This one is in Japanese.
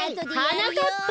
はなかっぱ！